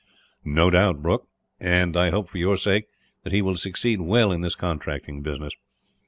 "No doubt, Brooke; and I hope, for your sake, that he will succeed well in this contracting business.